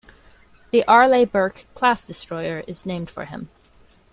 The Arleigh Burke class destroyer is named for him.